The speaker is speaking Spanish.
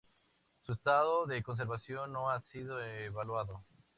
Su estado de conservación no ha sido evaluado.